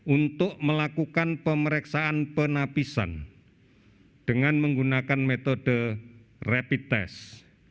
untuk melakukan pemeriksaan penapisan dengan menggunakan metode rapid test